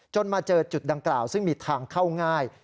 มาเจอจุดดังกล่าวซึ่งมีทางเข้าง่าย